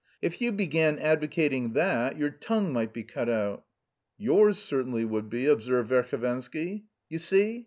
If you began advocating that, your tongue might be cut out." "Yours certainly would be," observed Verhovensky. "You see.